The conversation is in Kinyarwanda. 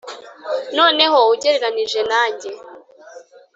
noneho ugereranije nanjye